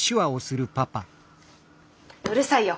うるさいよ。